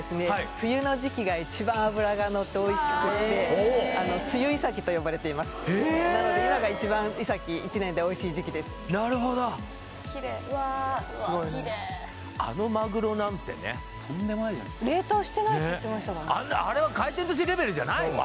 梅雨の時期が一番脂がのっておいしくってあのと呼ばれていますへえなので今が一番イサキ１年でおいしい時期ですなるほど・キレイうわすごいねうわっキレイあのマグロなんてねとんでもない・冷凍してないって言ってましたからあれは回転寿司レベルじゃないもん